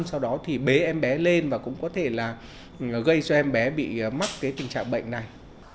sau đó thì bế em bé lên và cũng có thể là gây cho em bé bị mắc cái tình trạng bệnh này